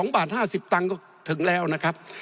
๒บาท๕๐ตังค์ก็ถึงแล้วนะครับ